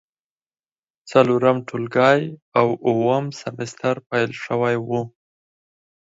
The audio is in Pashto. څلورم ټولګی او اووم سمستر پیل شوی و.